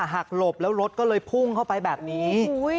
หักหลบแล้วรถก็เลยพุ่งเข้าไปแบบนี้